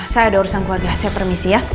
saya ada urusan keluarga saya permisi ya